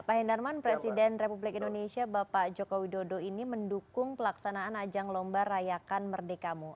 pak hendarman presiden republik indonesia bapak joko widodo ini mendukung pelaksanaan ajang lomba rayakan merdekamu